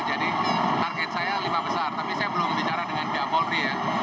jadi target saya lima besar tapi saya belum bicara dengan dia polri ya